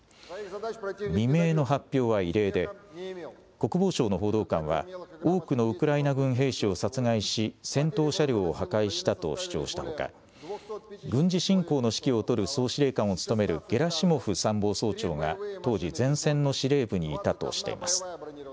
未明の発表は異例で、国防省の報道官は、多くのウクライナ軍兵士を殺害し、戦闘車両を破壊したと主張したほか、軍事侵攻の指揮を執る総司令官を務めるゲラシモフ参謀総長が当時、前線の司令部にいたとしています。